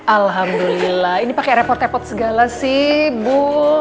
alhamdulillah ini pakai repot repot segala sih bu